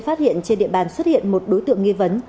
phát hiện trên địa bàn xuất hiện một đối tượng nghi vấn